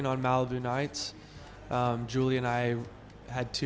dan kami menulis dua lagu dalam dua hari